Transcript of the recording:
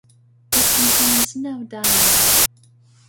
It contains no dialogue.